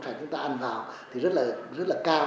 thì chúng ta ăn vào thì rất là cao